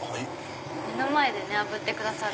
目の前であぶってくださる。